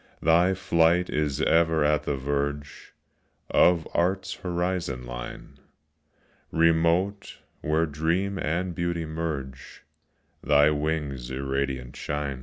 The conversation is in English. Thy flight is ever at the verge Of Art's horizon line; Remote, where dream and beauty merge, Thy wings irradiant shine.